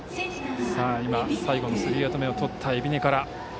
最後のスリーアウト目をとった海老根から。